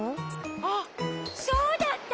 あっそうだった！